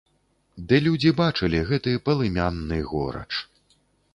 Ды людзі бачылі гэты палымянны горач.